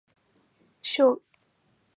锈荚藤是豆科羊蹄甲属的植物。